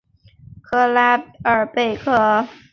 克拉尔贝克。